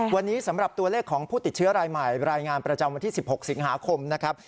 วันนี้สำหรับตัวเลขของผู้ติดเชื้อรายใหม่รายงานประจำวันที่๑๖สิงหาคมนะครับ